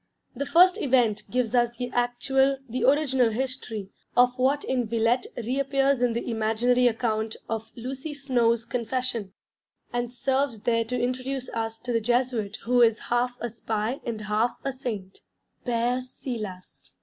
The first event gives us the actual, the original history, of what in Villette reappears in the imaginary account of Lucy Snowe's Confession: and serves there to introduce us to the Jesuit who is half a spy and half a saint Père Silas.